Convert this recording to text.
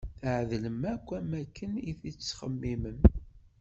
Tɛedlem akk amek i tettxemimem.